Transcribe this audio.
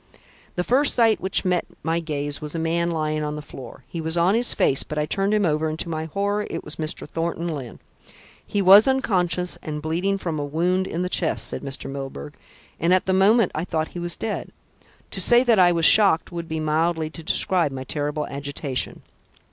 "The first sight which met my gaze was a man lying on the floor. He was on his face, but I turned him over, and to my horror it was Mr. Thornton Lyne. He was unconscious and bleeding from a wound in the chest," said Mr. Milburgh, "and at the moment I thought he was dead. To say that I was shocked would be mildly to describe my terrible agitation.